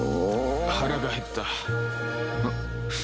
腹が減った。